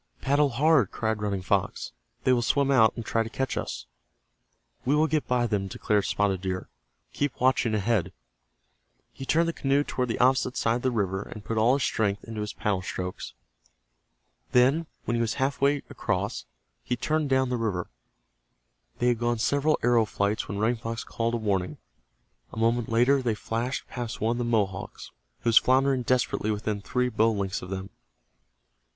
"Paddle hard!" cried Running Fox. "They will swim out and try to catch us." "We will get by them," declared Spotted Deer. "Keep watching ahead." He turned the canoe toward the opposite side of the river, and put all his strength into his paddle strokes. Then, when he was half way across, he turned down the river. They had gone several arrow flights when Running Fox called a warning. A moment later they flashed past one of the Mohawks, who was floundering desperately within three bow lengths of them.